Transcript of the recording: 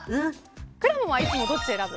くらもんはいつもどっち選ぶ。